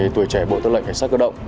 tuổi trẻ bộ tư lệnh cảnh sát cơ động